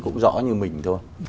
cũng rõ như mình thôi